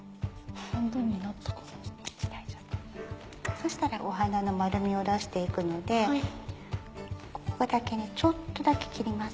そしたらお花の丸みを出して行くのでここだけちょっとだけ切ります。